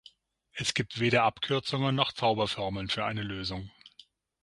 Es gibt weder Abkürzungen noch Zauberformeln für eine Lösung.